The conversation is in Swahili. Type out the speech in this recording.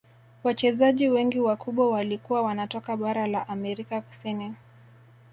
Wachezaji wengi wakubwa walikuwa wanatoka bara la amerika kusini